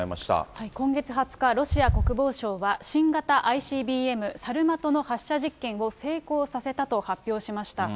今月２０日、ロシア国防省は、新型ＩＣＢＭサルマトの発射実験を成功させたと発表しました。